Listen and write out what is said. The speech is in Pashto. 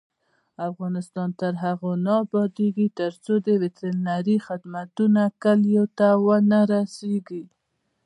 افغانستان تر هغو نه ابادیږي، ترڅو د وترنري خدمتونه کلیو ته ونه رسیږي.